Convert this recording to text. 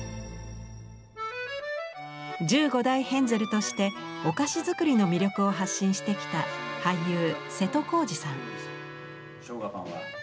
１５代ヘンゼルとしてお菓子作りの魅力を発信してきた俳優瀬戸康史さん。